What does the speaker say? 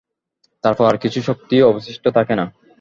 তারপর আর কিছু শক্তি অবশিষ্ট থাকে না।